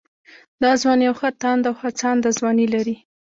دا ځوان يوه ښه تانده او هڅانده ځواني لري